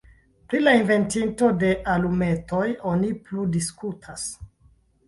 Pri la inventinto de alumetoj oni plu diskutas.